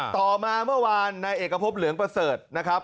ต่อมาเมื่อวานนายเอกพบเหลืองประเสริฐนะครับ